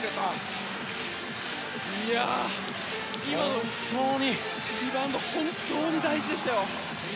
今のリバウンドは本当に大事でしたよ！